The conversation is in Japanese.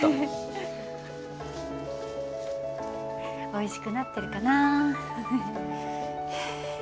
おいしくなってるかな。